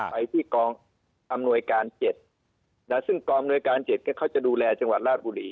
ไปที่กองอำนวยการ๗ซึ่งกองอำนวยการ๗เขาจะดูแลจังหวัดราชบุรี